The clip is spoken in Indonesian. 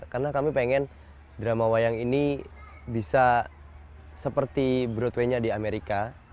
karena kami ingin drama wayang ini bisa seperti broadway nya di amerika